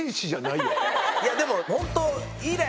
いやでもホント。